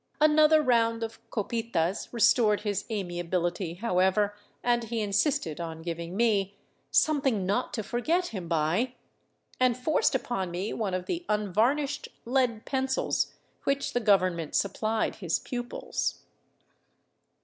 Another round of " copi tas " restored his amiability, however, and he insisted on giving me " something not to forget him by," and forced upon me one of the unvarnished lead pencils which the government supplied his pupils.